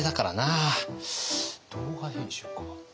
動画編集か。